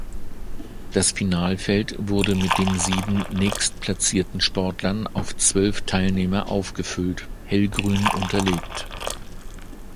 Das Finalfeld wurde mit den sieben nächstplatzierten Sportlern auf zwölf Teilnehmer aufgefüllt (hellgrün unterlegt).